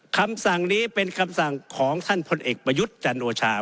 คำสั่งนี้เป็นคำสั่งของท่านพลเอกประยุทธ์จันโอชา